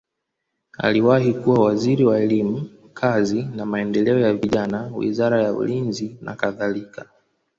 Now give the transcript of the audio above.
Aliwahi kuwa waziri wa elimu, kazi na maendeleo ya vijana, wizara ya ulinzi nakadhalika.